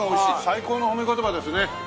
最高の褒め言葉ですね。